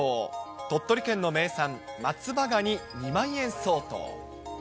鳥取県の名産、松葉ガニ２万円相当。